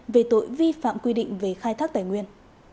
về tội vi phạm quy định về khai thác tài nguyên